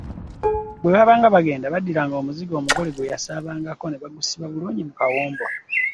Bwe baba bagenda, baddira omuzigo omugole gwe yasaabako ne bagusiba bulungi mu kawombo.